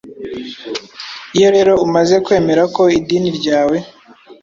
iyo rero umaze kwemera ko idini ryawe